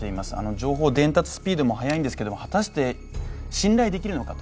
情報伝達スピードも早いんですけれども、果たして信頼できるのかと。